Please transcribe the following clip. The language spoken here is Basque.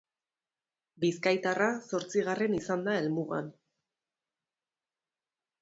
Bizkaitarra zortzigarren izan da helmugan.